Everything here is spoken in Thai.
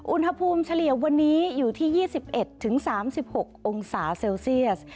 เฉลี่ยวันนี้อยู่ที่๒๑๓๖องศาเซลเซียส